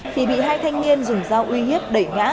thì bị hai thanh niên dùng dao uy hiếp đẩy ngã